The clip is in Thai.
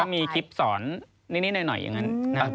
มีคลิปสอนนิดหน่อยอย่างนั้น